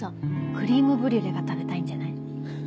クリームブリュレが食べたいんじゃない？